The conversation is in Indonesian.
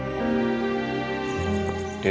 saya tidak tahu